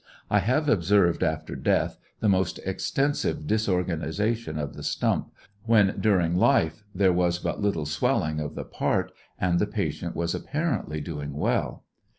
I have observed after death the most extensive disorganization of the stump, when during life there was but little swelling of the part, and the patient was apparently doing well.